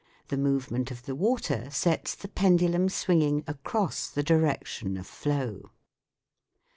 The movement of the water sets the pendulum swinging across the direction of flow.